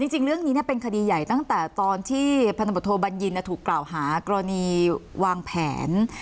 จริงเรื่องนี้เป็นคดีใหญ่ตั้งแต่ตอนที่พันธบทโทบัญญินถูกกล่าวหากรณีวางแผน